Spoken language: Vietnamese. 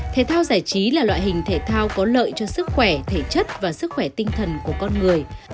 thể thao giải trí là loại hình thể thao có lợi cho sức khỏe thể chất và sức khỏe tinh thần của con người